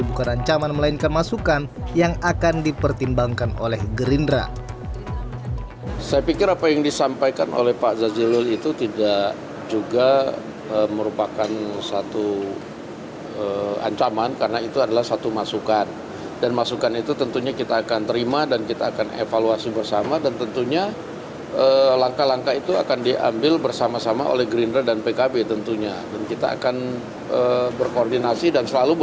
jazilul buka rancaman melainkan masukan yang akan dipertimbangkan oleh gerindra